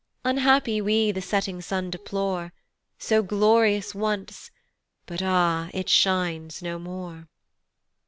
Unhappy we the setting sun deplore, So glorious once, but ah! it shines no more.